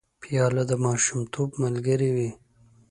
پیاله د ماشومتوب ملګرې وي.